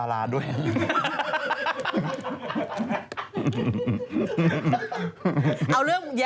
อ้าใครนะ